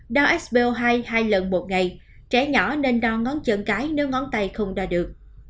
đau xo hai hai lần một ngày trẻ nhỏ nên đo ngón chân cái nếu ngón tay không đo được